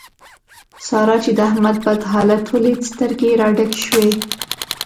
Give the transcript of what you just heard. سارا چې د احمد بد حالت وليد؛ سترګې يې را ډکې شوې.